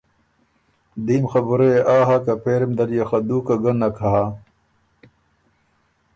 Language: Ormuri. دیم خبُره يې آ هۀ که پېری م دل يې خه دُوکه ګۀ نک هۀ